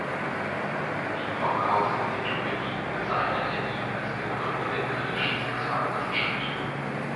Die Brockhaus Enzyklopädie bezeichnete ihn als Begründer der kritischen Sexualwissenschaft.